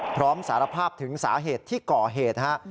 พร้อมสารภาพถึงสาเหตุที่ก่อเหตุฮะ